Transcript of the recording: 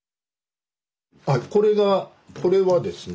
これがこれはですね